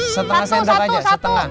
setengah sendok aja setengah